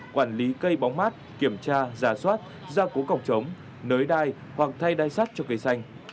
quản lý cây bóng mát kiểm tra giả soát gia cố cọc trống nới đai hoặc thay đai sắt cho cây xanh